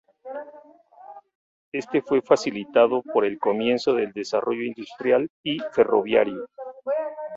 Este fue facilitado por el comienzo del desarrollo industrial y ferroviario.